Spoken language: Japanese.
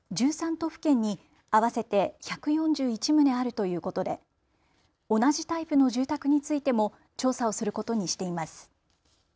都府県に合わせて１４１棟あるということで同じタイプの住宅についても調査をすることにしています。